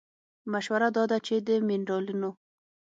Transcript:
مشوره دا ده چې د مېنرالونو